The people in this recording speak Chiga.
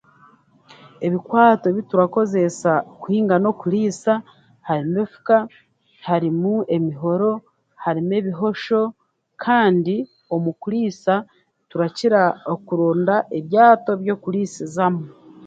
Ebikwato ebituraakozesa kuhinga n'okuriisa harimu efuka harimu emihoro harimu ebihosho kandi omu kuriisa turakira okuronda ebyato by'okuriisizamu